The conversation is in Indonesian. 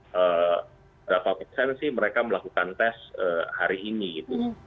berapa persen sih mereka melakukan tes hari ini gitu